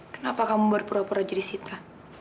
kenapa kamu berpura pura jadi sifat